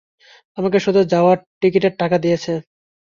আমাকে শুধু যাওয়ার টিকেটের টাকা দিয়েছে।